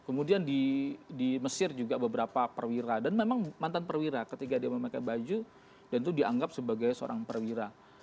kemudian di mesir juga beberapa perwira dan memang mantan perwira ketika dia memakai baju dan itu dianggap sebagai seorang perwira